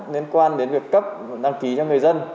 liên quan đến việc cấp đăng ký cho người dân